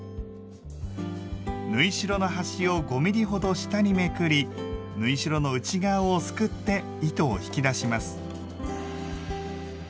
縫い代の端を５ｍｍほど下にめくり縫い代の内側をすくって糸を引き出します。